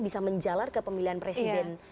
bisa menjalar ke pemilihan presiden